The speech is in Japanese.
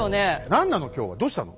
何なの今日はどうしたの？